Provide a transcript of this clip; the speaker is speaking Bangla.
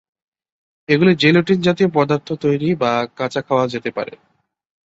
এগুলি জেলটিন-জাতীয় পদার্থ তৈরি বা কাঁচা খাওয়া যেতে পারে।